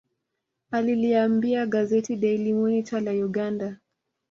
Aliliambia gazeti Daily Monitor la Uganda